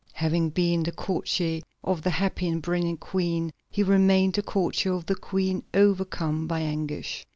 Having been the courtier of the happy and brilliant Queen, he remained the courtier of the Queen overcome by anguish.